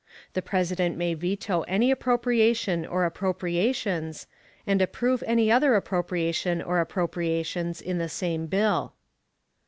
The President may veto any appropriation or appropriations, and approve any other appropriation or appropriations, in the same bill.